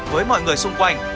với mọi người xung quanh